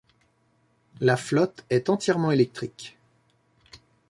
La flotte est entièrement électrique.